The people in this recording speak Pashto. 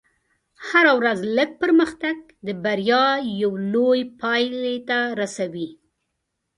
هره ورځ لږ پرمختګ د بریا یوې لوېې پایلې ته رسوي.